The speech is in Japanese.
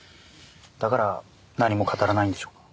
だから何も語らないんでしょうか？